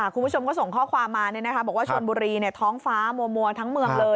คุณผู้ชมก็ส่งข้อความมาบอกว่าชนบุรีท้องฟ้ามัวทั้งเมืองเลย